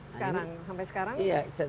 sekarang sampai sekarang